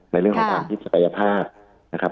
ในเรื่องของความพิกษะแปรภาพ